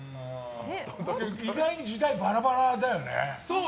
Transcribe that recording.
意外に時代、バラバラだよね。